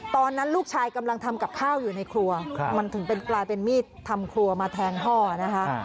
ตอนนั้นลูกชายกำลังทำกับข้าวอยู่ในครัวมันถึงเป็นกลายเป็นมีดทำครัวมาแทงพ่อนะคะ